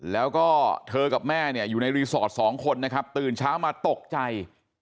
แล้วก็เธอกับแม่เนี่ยอยู่ในรีสอร์ทสองคนนะครับตื่นเช้ามาตกใจ